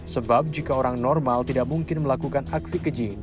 sebab jika orang normal tidak mungkin melakukan aksi keji